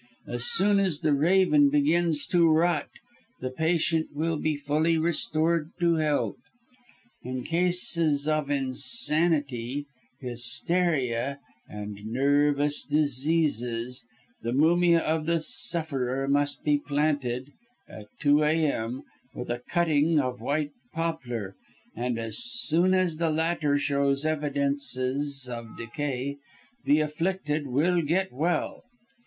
As soon as the raven begins to rot, the patient will be fully restored to health. "In cases of insanity, hysteria, and nervous diseases the mumia of the sufferer must be planted, at 2 a.m., with a cutting of white poplar, and as soon as the latter shows evidences of decay, the afflicted will get well.